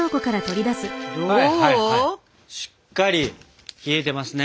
しっかり冷えてますね。